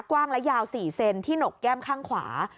กว้างและยาว๔เซนที่หนกแก้มข้างขวา